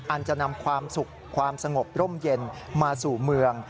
อันจะนำความสุขความสงบร่มเย็นมาสู่เมือง